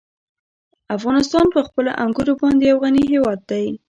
افغانستان په خپلو انګورو باندې یو غني هېواد دی.